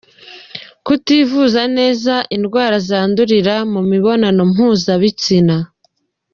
Kutivuza neza indwara zandurira mu mibonano mpuzabitsina.